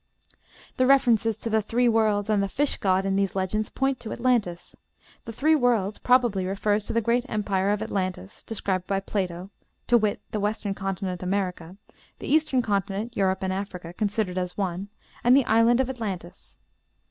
The references to "the three worlds" and the "fish god" in these legends point to Atlantis. The "three worlds" probably refers to the great empire of Atlantis, described by Plato, to wit, the western continent, America, the eastern continent, Europe and Africa, considered as one, and the island of Atlantis.